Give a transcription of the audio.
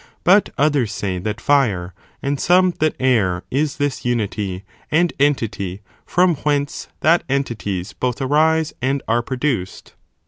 But others say that fire, and some that air, is this unity and entity from whence that entities both arise and are produced.